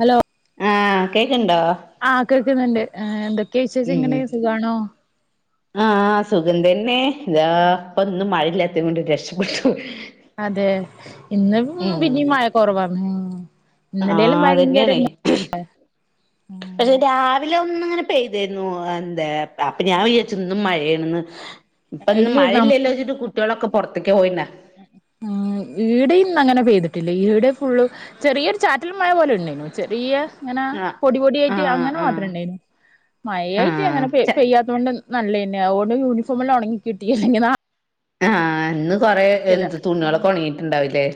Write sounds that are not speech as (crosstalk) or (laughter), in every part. Hello ആഹ് കേക്കുണ്ടോ ആഹ് കേൾക്കുന്നുണ്ട് എന്തൊക്കെയ ഉം വിശേഷങ്ങൾ സുഖണോ ആഹ് സുഖം തന്നെ ഇതാ പ്പൊന്നും മഴില്ലാതെ കൊണ്ട് രക്ഷപ്പെട്ടു അതെ ഇന്ന് ഉം പിന്നീ മഴ കുറവാണ് ഇന്നലെലും ആഹ് ഭയങ്കര അതന്നെയാണ് പക്ഷെ ഉം രാവിലെ ഒന്ന്ങ്ങനെ പെയ്തരുന്നു എന്താ അപ്പൊ ഞാൻ വിചാരിച്ച് ഇന്നും മഴയാണെന്ന് ഇപ്പൊ ഇന്ന് ഇല്ല നം മഴയില്ലല്ലോ വെച്ചിട്ട് കു കുട്ടിയോളൊക്കെ പൊറത്തേക്ക് പോയിനാ ഉം ഈടെ ഇന്ന് അങ്ങനെ പെയ്തിട്ടില്ല ഈടെ ഫുള് ചെറിയൊരു ചാറ്റിൽ മഴ പോലെ ഉണ്ടായിരുന്നു ചെറിയ അങ്ങനെ ആഹ് പൊടി പൊടിയായിട്ട് ആഹ് അങ്ങനെ ആഹ് മാത്രം ണ്ടായിരുന്നു മഴയായിട്ട് ആഹ് അങ്ങനെ പ ച പെയ്യാത തുകൊണ്ട് നല്ലതെന്ന അവുകൊണ്ട് യൂണഫോമെല്ലാം ങണങ്ങി കിട്ടി ല്ലെങ്കിൽ നാ ആഹ് ഇന്ന് കൊറെ എന്ത് ആഹ് തുണികളൊക്കെ ഒണങ്ങിട്ടുണ്ടാവില്ലേ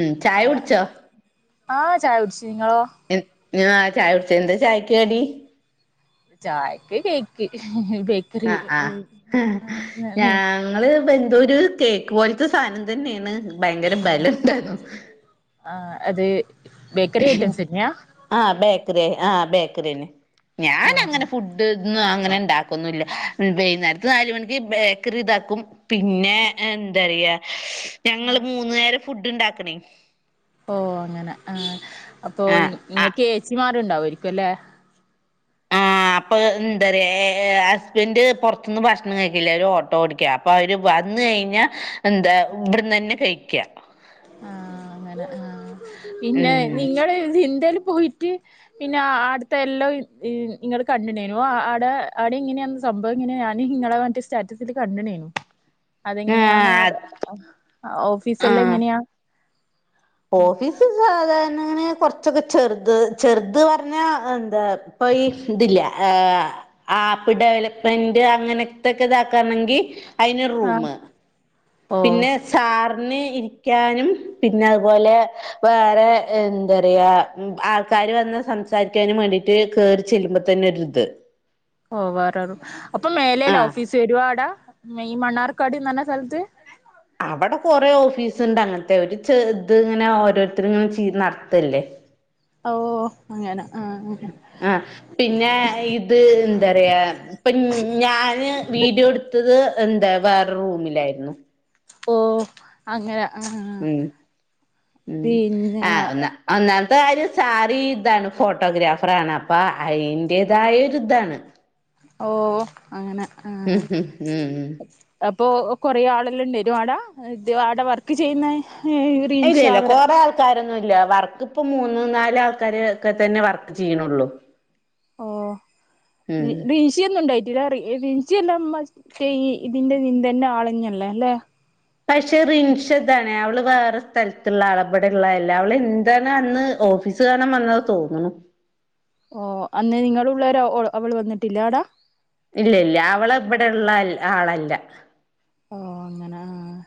പിന്നെ ആ ചായ കുടിച്ചു നിങ്ങളോ ആഹ് ചായ കുടിച്ച് എന്താ ചായക്ക്കടി ചായക്ക് കേക്ക് ബേക്കറി ആഹ് ആഹ് ഞാ നീ ഞങ്ങള് എന്തൂര് കേക്ക് പോലത്തെ സാധനം തന്നെയാണ് ഭയങ്കര ബലം ഇണ്ടായിരുന്നു. ആഹ് അത് ബേക്കറി ഐറ്റംസ് തന്നെയാ ആഹ് ബേക്കറി ആഹ് ബേക്കറിന്നെ ആഹ് ഞാനങ്ങനെ ഫുഡ്ഡ് ന്നും അങ്ങനെ ഇണ്ടാക്കൊന്നുല്ല വൈന്നേരത്ത് നാല് മണിക്ക് ബേക്കറി ഇതാക്കും പിന്നെ എന്തരിയാ ഞങ്ങള് മൂന്ന് നേരം ഫുഡ് ണ്ടാക്കണേ ഓഹ് അങ്ങനെ ആഹ് അപ്പൊ ആഹ് ആഹ് ങ്ങക്ക് ഏചിമാരുണ്ടവുവയിരിക്കുല്ലേ ആഹ് അപ്പൊ എന്തറയ ഹസ്ബന്റ് പൊറത്തന്ന് ഭക്ഷണം കഴിക്കില്ല ഓലു ഓട്ടോ ഓടിക്കാ അവര് വന്ന് കഴിഞ്ഞാ എന്താ ഇവിടെന്ന് തന്നെ കഴിക്ക ആഹ് അങ്ങനെ ആഹ് പിന്നെ ഉം നിങ്ങൾ ന്തേൽ പോയി (inaudible) പിന്നെ ആട്ത്തെ എല്ലാം നിങ്ങൾ കണ്ടിണ്ടയ്നു ആ ആവിടെ ഇങ്ങനെയാണ് സംഭവം ഇങ്ങനെ ഞാൻ നിങ്ങളെ സ്റ്റാറ്റസിൽ കണ്ടണേനു എ അതെങ്ങനെയാന്ന് ആ ഓഫീസ് എല്ലാം എങ്ങനെയാ ഓഫിസ് സാ ത ങ്ങനെ കൊറച്ചൊക്കെ ചെറുത് ചെറുത് പറഞ്ഞ എന്താ ഇപ്പൊ ഈ ഇതില്ല ഏഹ് ആപ്പ് ഡെവലപ്മെന്റ് അങ്ങനത്തെക്കെ ഇതാക്കാണെങ്കി അതിന് ഒരു റൂം ആഹ് ഓഹ് പിന്നെ സാറിന് ഇരിക്കാനും പിന്നെ അതുപോലെ വേറെ എന്താ പറയാ ആൾക്കാര് വന്ന് സംസാരിക്കാനു വേണ്ടിട്ട് കേറി ചെല്ലുമ്പോ തന്നെ ഒരു ഇത് ഓ വേറെറൂ അപ്പൊ മേലെല്ലേ ആഹ് ഓഫീസ് വരുവാടാ ഈ മണ്ണാർക്കാട്ന്ന് പറഞ്ഞ സ്ഥലത്ത് അവിടെ കൊറെ ഓഫീസ് ഉണ്ട് അങ്ങനത്തെ ഒരു ഇത് ഇങ്ങനെ ഓരോരുത്തർ ഇങ്ങനെ നടത്തല്ലേ. ഉ ഓ അങ്ങനെ ആഹ് ആഹ് പിന്നെ ഇത് എന്താ പറയാ ഇപ്പൊ ഞാന് വീഡിയോ എടുത്തത് എന്താ വേറെ റൂമിലായിരുന്നു ഓഹ് അങ്ങനെ ആഹ് ഉം ഉം പിന്നെ ആ ഒന്ന ഒന്നാമത്തെ കാര്യം സാറി ഇതാണ് ഫോട്ടോഗ്രാഫറ ആാണ് അപ്പൊ അതിന്റേതായരി ഇതാണ് ഓ അങ്ങനെ ഉം ആഹ് ഉം ഉം അപ്പോ കൊറേ ആളുല്ലേ (unintelligible) ആട ഇത് ആട വർക്ക് ചെയ്യുന്നേ ഇല്ല ഇല്ല കൊറെ ആൾക്ക ആൾക്കാരൊന്നുല്ല വർക്ക്പ്പ മൂന്ന് നാല് ആൾക്കാര് ഒക്കെ തന്നെ വർക്ക് ചെയ്യണ്ള്ളൂ ഓഹ് ഈശ് ചച്ചിയൊന്നും ഉണ്ടായിട്ടില്ലില്ല ചച്ചിയ എല്ലാം ഇതിന്റെ നീന്ത തന്നെ ആളഞ്ഞല്ലേ അല്ലെ പക്ഷെ റിൻഷദ്ണ് അവള് വേറെ സ്ഥലത്തുള്ള അളപടെ ഉള്ളല്ല അവൾ എന്താണ് അന്ന് ഓഫീസ് (unintelligible) തോന്നുന്നു ഓ അന്ന് നിങ്ങള്‌ ഉള്ളേരെ ഓൾ അവൾ വന്നിട്ടില്ല ആടെ ഇല്ല ഇല്ല അവള ഇവിടെള്ള ആളല്ല ഓഹ് അങ്ങന ആഹ്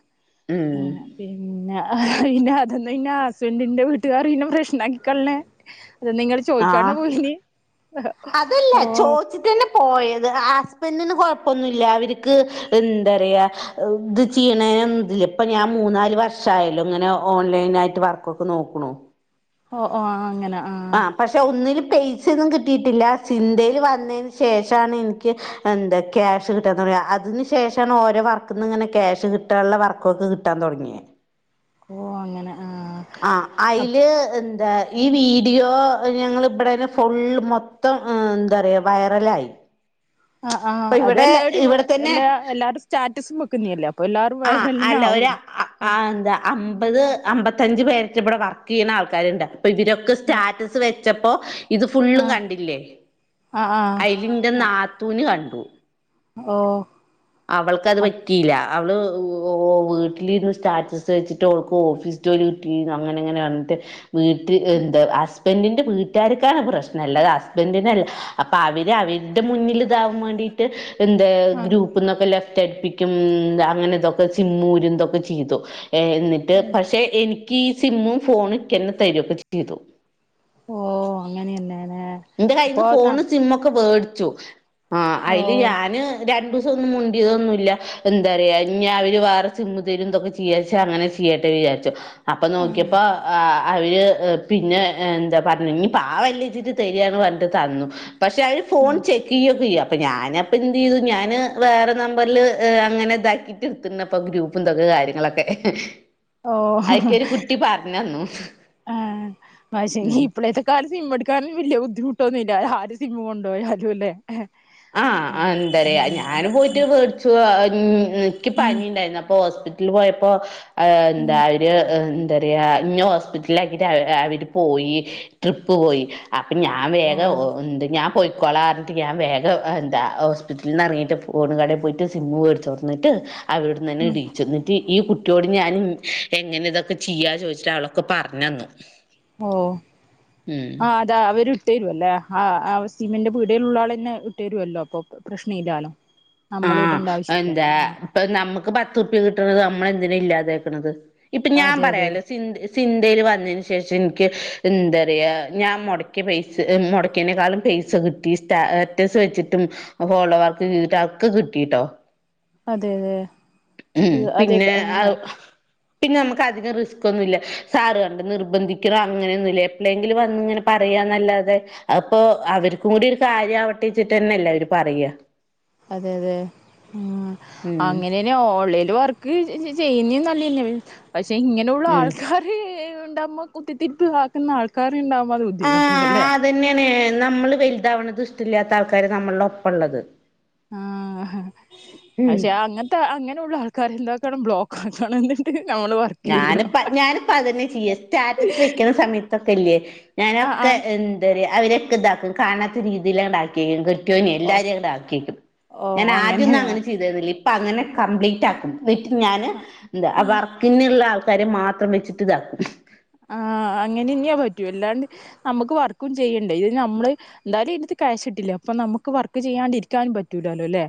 ഉം പിന്നെ പിന്നെ അതന്ന ഇന്നെ ഹസ്ബൻഡിന്റെ വീട്ടുകാർ പിന്നെ പ്രശ്നമാക്കിക്കൊള്ളണേ അത നിങ്ങള് ചോയ്ക്കാണ്ട ആഹ് പോയിന് അതല്ല ഓഹ് ചോദിച്ചിട്ടന്നെ പോയത് ഹസ്ബന്റിന് കൊഴപ്പൊന്നുല്ല അവർക്ക് എന്താ റയാ ഇത് ചെയ്യണയ്ല്ല ഇപ്പൊ ഞാൻ മൂന്നാല് വർഷ ആയല്ലോ ഇങ്ങനെ ഓൺലൈൻ ആയിട്ട് വർക്കൊ ഒക്കെ നോക്കുണു ഓഹ് ഓഹ് ആഹ് അങ്ങനെ ആഹ് ആ പക്ഷെ ഒന്നും പൈസൊന്നും കിട്ടിയിട്ടില്ല ചിന്തയിൽ വന്നതിന് ശേഷാണ് എനി എന്താ ക്യാഷ് കിട്ടാന്ന് പറയാ അതിനു ശേഷാണ് ഓരോ വർക്ക നിന്ന് ഇങ്ങനെ ക്യാഷ് കിട്ടാനുള്ള വർക്കൊക്കെ കിട്ട കിട്ടൻ തുടങ്ങി ഓ അങ്ങനെ ആഹ..... ആഹ അതില് എന്താ ഈ വീ.... വീഡിയോ.. (unintelligible) ഫുള്ള് മൊത്തം വൈറലായി ആ് ആ് ഇപ്പൊ ഇവിടെ അതെല്ലാടി ഇവിടെ തന്നെ എല്ലാ എല്ലാവാരും സ്റ്റാറ്റസും വെക്കുന്നല്ലേ അപ്പൊ എല്ലാവരും വൈറലിന അല്ല ഒരു ആാവല്ലേ.... ആ എന്താ അമ്പത് അമ്പത്തഞ്ച പേർ ഇവിടെ വർക്ക് ചെയ്യണ ആൾക്കാരുണ്ട് അപ്പൊ ഇവരൊക്കെ ആഹ് സ്റ്റാറ്റസ് വെച്ചപ്പോ ഇത് ഫുള്ളും കണ്ടില്ലേ ആഹ് ആഹ് അയ്ല്ന്റെ‌ ആഹ് നാത്തൂന് കണ്ടു ഓ അവൾക്കത് അ പറ്റിയില്ല അവള് ഓ വീട്ടിലിരുന്ന് സ്റ്റാറ്റസ് വെച്ചിട്ട് അവൾക്ക് ഓഫീസ് ജോലി കിട്ടി അങ്ങനെ അങ്ങനെ വന്നിട് വീട്ടിൽ എന്താ ഹസ്ബൻറിന്റെ വീട്ടുകാർക്കാണ് പ്രശ്നം അല്ലാത ഹസ്ബൻറിനല്ല അപ്പൊ അവര് അവര്ടെ മുന്നിൽ ഇതാകാൻ വേണ്ടീട്ട് എന്താ ആഹ് ഗ്രൂപ്പ് ഉപ്പന്നൊക്കെ ലെഫ്റ്റ് അടുപ്പിക്കും അങ്ങനെ ഇതൊക്കെ സിമ്മൂര ഇതൊക്കെ ചെയ്തുഏഹ് എന്നിട്ട് ഓ പക്ഷെ എനിക്ക് ഈ സിമ്മും ഫോൺന്നെ തരൊക്കെ ചെയ്തു..... ഓ അങ്ങനെയന്നെന.... എന്റെ കയ്ൽ നിന്ന് ഫോണ് സിമ ഒക്കെ മേടിച്ചു ആ അതില് ഓ ഞാന് രണ്ടു ദിവസ...... ന്നും മുണ്ടിയതൊന്നുമല്ല എന്താ പറയാ ഇനി അവര് വേറെ സിമ്മ എന്തൊക്കെ ചെയ്യാച്ച അങ്ങനെ...... തിയേറ്റർ വിചാരിച്ചോ.... അപ്പൊ ആഹ് നോക്കിയപ്പോ അവര് പിന്നെ എന്താ പറഞ്ഞ ഞ് പാവല്ല ച്ചിരി.... തരിന്ന് പറഞ്ഞിട്ട് തന്നു പക്ഷെ അവര് ഫോൺ ഉം ചെക്ക് ചെയ്യൊക്കെ ചെയ്യ.... അപ്പ ഞാനപ്പൊ എന്ത് ചെയ്തു ഞാന് വേറെ നമ്പറിൽ അങ്ങനെ ഇതാക്കിട്ട് എടുത്തി അപ്പൊ....... പുന്തൊക്ക കാര്യങ്ങളൊക്കെ...... ഓ അയിക്കൊരു കുട്ടി പറഞ്ഞന്നു ആ വശ ഉം ഇപ്പോഴേത്തെൊ..... ക്കാല സിമ എടുക്കാനും വലിയ ബു ദ്ധിമുട്ടൊന്നുല്ല ആര് സിം കൊണ്ടു പോയാ ലും ല്ലേ...... ആഹ എന്താ പറയാ ഞാനൻ പോയിട്ട് മേടിച്ചു എക്ക് ഉം പനിണ്ടായിരുന്നു അപ്പൊ ഹോസ്പി...... ഹോസ്പിററലിപോയപ്പോ് എന്താ..... ഉം അവ ര് ന്താ റയാ ഇന്ന ഹോസ്പിറ്റല ആാക്കിട്ട് അവര് പോയി ട്രിപ്പ് പോയി. അപ്പൊ ഞാൻ വേഗം ഓഹ് ഞാൻ പോയിക്കൊളാ റഞ്ഞട്ട് ഞാൻ വേഗം. എന്താ ഹോസ്പിറ്റലിൽ നിന്ന് ഇറങ്ങിട്ട് ഫോണ് കടയിൽ പോയിട്ട് സിം മേടിച്ചുർന്നിട്ട്...... അവിടെ ഉം നിന്ന്ന്നെടീച്ച...... ഈ കുട്ടിയോട് ഞാനും എങ്ങനെ ഇതൊക്കെ ചെയ്യാ ചോദിച്ചിട്ട് അവളൊക്കെ പറഞ്ഞന്നു. ഓ ഉം ആ...... ഇതാ അവര് ഇട്ടേരുല്ലേ ആ സിം ന്റ് പിടിയിലുള്ള ആള ന്നെ ഇട്ടുേരുല്ലോ അപ്പോ....... പ്രശ്ന ഇല്ലാലോ നമ്മൾ ഇടേണ്ട ആവശ്യമില്ല ആഹ...... നമ്മുക്ക് പത്തു... (unintelligible) ങ്ക്യയ കിട്ടണത് നമ്മള എന്തിനും ഇല്ലാതക്കണുന്നത് ഇപ്പൊ ഞാൻ... അതെ അതെ പറയാാലോ സിന്തയിൽ വന്നതിനന് ശേഷം എനിക്ക് എന്താ റയാ ഞാൻ മുടകിയ പൈസ മുടക്കേനക്കാളും പൈസ കിട്ടി സ്റ്റാറ്റസ് വെച്ചിട്ടും ഫോളോ വർക്ക് ചെയ് ഒക്കക്ക് കിട്ടിട്ടോ..... അതെ അതെ..... ഉം അതെ പിന്നെ അ.. ഏഹ് പിന്നെ നമുക്ക് അധികം റിസ്ക് ഒന്നുംമല്ല സാറ് കണ്ട നിർബന്ധിക്കണോ അങ്ങനെയൊന്നുമ ഇല്ല എപ്പോഴെങ്കിലും വന്നിങ്ങന..... പറയന്നല്ലാതെ അപ്പൊ അവർക്കും കൂടി ഒരു കാര്യം ആവട്ടച്ചിട്ട് തന്നെയല്ലേ അവര് പറയ അതെ അതെ ഉം അങ്ങനെ..... ഓൺലൈൻ വർക്ക് ചെയ്യുന്ന നല്ലന്ന പക്ഷെ ഇങ്ങനെയുള്ളള്ള ഉം ആൾക്കാ..... ഉണ്ടാമ്മോ കുത്തിരിപ്പ് ആാക്കുന്ന ആൾക്കാ ഉണ്ടാവുമ്പോ അത് ബുദ്ധിമുട്ട് അല്ലെ..... അത്തന്നെയാണ്നമ്മള് വലുതാവണത് ഇഷ്ടമില്ലാത്ത ആൾക്കാര് നമ്മളുടെ ഒപ്പം ഉള്ളത്..... ആഹ ഉം പക്ഷെ അങ്ങനെ..... അങ്ങനെയുള്ള ആൾക്കാർ എന്താക്കണം ബ്ലോക്ക് ആക്കണം എന്നിട്ട് നമ്മൾ വർ ഞാനിപ്പ ഞാനിപ്പ അതന്നെ ചെയ്യ സ്റ്റാറ്റസ് വെക്കുന്ന സമയത്തൊക്കെല്ലേ. ആഹ് ഞാനൊക്കെ ആഹ് എന്താ റയാ അവരൊക്കെ ഇതാക്കും കാണാത്ത രീതിയിലണ്ടാക്ക...... ട്ട ഓ എല്ലാരരുംടെ ആക്കിക്കും ഓ ഞാൻദ്യം അ..... അങ്ങനെയാ ഇ പ്പാഅങ്ങനെ കപ്ലീറ്റ് ആക്കും എന്നിട്ട് ഞാന് എന്താ ആഹ് പിന്നെയള്ള ആൾക്കാരെ മാത്രം വെച്ചിട്ട് ഇതാ...... ആഹ് അങ്ങനെന്യാ പറ്റൂ എല്ലാണ്ട് നമ്മക്ക് വർക്കും ചെയ്യണ്ടേ ഇത് നമ്മള് എന്തായാലും ഇനിത്ത്ക്യാ് ഇിട്ടില്ല അപ്പൊ നമുക്ക് വർക്ക് ചെയ്യാണ്ടിരിക്കാനും പറ്റൂില്ലല്ലോ അല്ലേ.....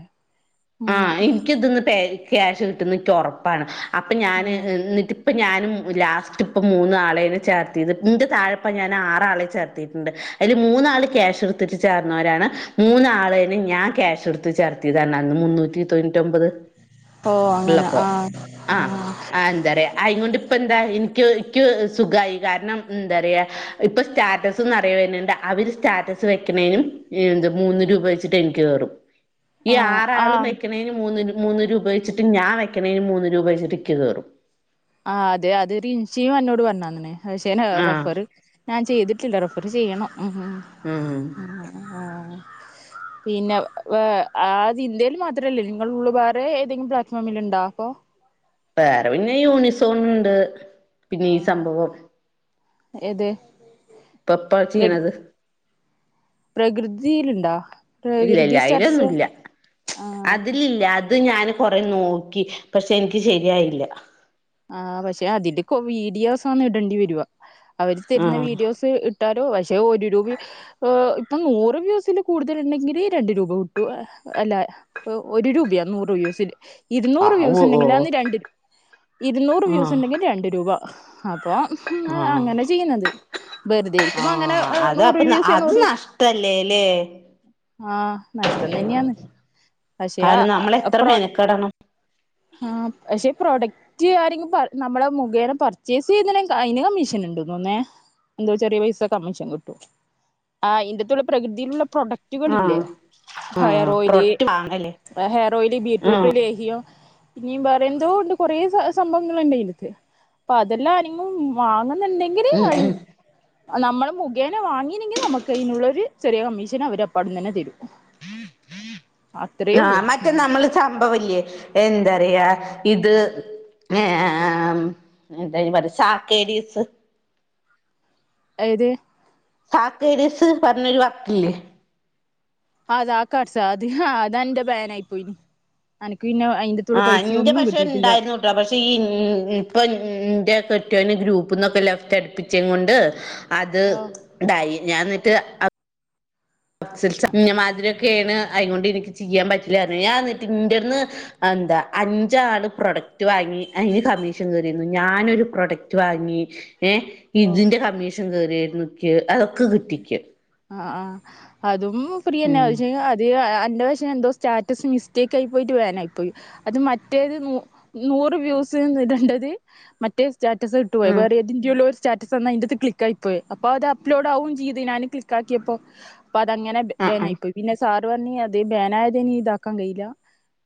ഉം ആഹ എനിിക്കിതിന്ന് പ ക്യാഷ് കിട്ടുന്ന ഉറപ്പാണ് അപ്പൊ ഞാൻ ഉം എന്നിട്ട്..... ഇപ്പൊ ഞാനും ലാസ്റ്റ് ഇപ്പ മൂന്നാ ആളേെൺ ചേർത്തിയത് ന്റെ തായപ്പം ഞാൻ ആറലിം ചേർത്തിട്ടുണ്ട് ആററലിപ്പം അതില് മൂന്നാള് ക്യാഷ് എടുത്തിട്ട് ചേർന്നവരാണ്..... മുന്നൂറ്റി തൊണ്ണൂറ്റി ഒമ്പത് ഓ അങ്ങനെ ഉള്ളപ്പോൊ ആഹ് ആഹ ആഹ് ആ എന്താ പറയാ..... അയകൊണ്ട്പ്പ എന്താ എനിക്ക്ക്ക് സുഖമായി കാരണം എന്താ പറയാ ഇപ്പൊ സ്റ്റാർ... ത്ത്ന്നറിയവര്ണ് ണ്ട് അവര് സ്റ്റാറ്റസ് വെക്ക്ണേനും ഈന്ത് മൂന്ന് രൂപ വെച്ചിട്ട് എൻക്ക് കേറും ഈ ആഹ് ആറാളും ആഹ് വെക്കണേയ്ന് മൂന്ന് മൂന്ന് രൂപ വെച്ചിട്ടും ഞാൻ വെക്കണേയ്ന് മൂന്ന് രൂപ വെച്ചിട്ട്ക്ക് ഇക്ക് കേറും ആഹ് അതെ അത് രിൻഷിയു എന്നോട് പറഞ്ഞാഅങ്ങനെ അഅ്ശേ നെ ആഹ് റഫറ് ഞാൻ ചെയ്തിട്ടില്ല റെഫർ ചെയ്യണം ഉം ഹും ഉം ആ ഹാ പിന്നെ വെ അ അതിഇന്ത്യയിൽ മാത്രമല്ലേ നിങ്ങള് ഉള്ളു വേറെ ഏതെങ്കിലും പ്ലാറ്റ്ഫോമിൽ ഉണ്ടോ അപ്പോ വേറെ പിന്നെ യൂണിസോൺണ്ട് പിന്നെ ഈ ആഹ് സംഭവം ഏത് പപ്പാച്ചിയണത് പ്രകൃതീല്ണ്ടാ ഇല്യ ഇല്യ അയിലൊന്നുല്യ ആഹ് അതിലില്യ ത് ഞാന് കൊറെ നോക്കി പക്ഷെ ന്ക്ക് ശരിയായില്യ ആഹ് പക്ഷെ അതില്ക്കോ വീഡിയോസാന്ന് ഇടണ്ടിവരുവാ അവര് തരുന്ന ആഹ് വീഡിയോസ് ഇ ട്ടാലൊ പഷേ ഒരു രൂപയു ഹെ ഇപ്പൊ ഇപ്പം നൂറ് വ്യൂസില് കൂടുതലുണ്ടെങ്കില് രണ്ട് രൂപ കിട്ടു എ ഹ് അല്ല ഒ ഒരു രൂപ്യാ നൂറ് വ്യൂസില് ഇരുന്നൂറ് ആവോ വ്യൂസ്ണ്ടെങ്കില് ആന്ന് രണ്ട് ഇരുന്നൂറ് വ്യൂസ് ആഹ് ണ്ടെങ്കി രണ്ട് രൂപ. അപ്പൊ ഹും അ ആഹ് അങ്ങനെ ചെയ്യ്ന്നത് വെറ്തെ ഇരിക്കുമ്പോ അങ്ങനെ എ നൂറ് വ്യൂസ് നൂറ് നഷ്ടല്ലേ ലേ ആഹ് നഷ്ടം തന്നെയാന്ന് പഷേ കാരണം നമ്മൾ ആ എത്ര പ്രോഡ മെനക്കെടണം ആഹ് പഷേ പ്രോഡക് റ്റ് ആരെങ്കും പർ നമ്മള് മുഖേന പർച്ചേസിതിലങ്ക് അയ്ന് കമ്മീഷൻണ്ട് ന്നോന്നേ എന്തോ ചെറിയ പൈസ കമ്മീഷംകിട്ടും ആ ഇന്റെത്തുള്ള പ്രകൃതിയിലുള്ള പ്രൊഡ റ്റുകളില്ലേ ആഹ് ഹെയർ ആഹ് ഓയില് പ്രൊഡക്റ്റ് വാങ്ങല്ലേ ഹെയർ ഓയില് ബീറ്റ്റൂട്ട് ആഹ് ലേഹ്യം ഇനീം വേറെ എന്തോണ്ട് കൊറെേ സ സംഭവങ്ങൾണ്ടയ്ന്റെത്ത് പ്പ അതല്ലാം നി മും വാങ്ങന്നുണ്ടെങ്കിൽ ഉം അയ് ഉം നമ്മള് മുഖേന വാങ്ങീനെങ്കിൽ നമുക്ക് അയിനുള്ളൊരു ചെറിയ കമ്മീഷൻ അവർ അപ്പൊ അവിടെന്ന്ന്നെ തരും അത്രയേ ആഹ് ഉള്ളൂ മറ്റേ നമ്മള് ത്തംഭവംല്യേ എന്താറിയാ ഇത് ങ്ങേം എന്താ അയിന് പറ്യ ഷാക്കേരീസ് അയത് സാക്കേരിസ് പറഞ്ഞൊരു വർക്കില്ലേ? ആഹ് താ കാർട്സ് അത് ഹാ അതന്റെ ബേനായി പോയിന് അനക്ക് പിന്നെ അയ്ന്റെ ആ ഇന്റെ പഷേ ണ്ടായിരുന്നു ട്ടോ പക്ഷെ ഈ ഇമ് ഇപ്പൊ ഇന്റെ കെട്ടിയോന് ഗ്രൂപ്പ്ന്നൊക്കെ ലെഫ്റ്റ് അടുപ്പിചെകൊണ്ട് അത് ഓ ഡൈ ഞാൻ ന്നിട്ട് അപ് ചിർച്ച ഇന്നമാതിരിക്കെണ് അയ്ങ്ങൊണ്ട് എനിക്ക് ചെയ്യാം പറ്റ്ലാ ർഞ്ഞ് ഞാന്നിട്ട് ഇന്റട്ന്ന് ആന്താ അഞ്ചാള് പ്രൊഡക്റ്റ് വാങ്ങി ഐന് കമ്മീഷൻ കേറീര്ന്നു ഞാനൊരു പ്രോഡക്റ്റ് വാങ്ങി ഏ ഓഹ് ഇതിന്റെ കമ്മീഷൻ കേറീര്ന്നുക്ക് അതൊക്കെ കിട്ടിക്ക് ആഹ് ആഹ് അതും പ്രീയെന്നെ ഉം ഓല് ചെയ്യു അത് അൻ്റെ വശം എന്തോ സ്റ്റാറ്റസ് മിസ്റ്റേക്കായി പോയിട്ട് വേനായിപ്പോയി അത് മറ്റേത് നൂ നൂറ് വ്യൂസ് ഇടണ്ടത് മറ്റേ സ്റ്റാറ്റസ് ട്ടു പോയി ഉം വേറെ എതിന്റെല്ലൊ സ്റ്റാറ്റസന്ന യിന്റാത്ത് ക്ലിക്ക് ആയി പോയി അപ്പോ അത പ്‌ലോഡ് ആവുചിയ്ദ്ഞാൻ ക്ലിക്കാക്യപ്പോ അപ്പൊ അതങ്ങനെ ബ് ആഹ് ബേനായി പോയി പിന്നെ സാറ് പറഞ് അതേ ബേനായത് ഇനി ഇതാക്കാൻ കഴിയില്ല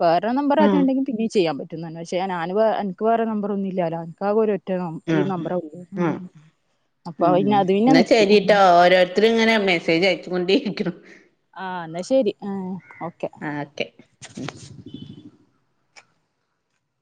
വേറെ നമ്പർ ആഹ് ഉം ആരെണ്ടെങ്കി പിന്നെ ചെയ്യാൻ പ റ്റുന്ന്ൻ പഷേ ഞാന് വേ എൻക്ക് വേറെ നമ്പറൊന്നില്യലോ ൻക്കാകെ ഒര് റ്റൊ ഈ ആഹ് നമ്പർ ആവൂല്ലേ അ ആഹ് അപ്പൊ ന്നെ അത് പിന്നെ നിർ ശെരിട്ടോ ഓരോരുത്തരിങ്ങനെ മെസ്സേജ് അയച്ച് കൊണ്ടിരിക്ണു ആഹ് ന്ന ശരി ആ ഓക്കെ ആക്കെ